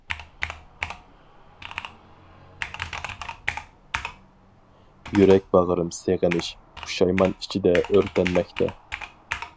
يۈرەك باغرىم سېغىنىش، پۇشايمان ئىچىدە ئۆرتەنمەكتە.